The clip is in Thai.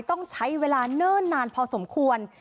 ต้องใช้เวลาเนิ่นนานพอสมควร